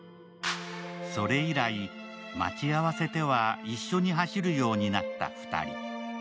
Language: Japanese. それ以来、待ち合わせては一緒に走るようになった２人。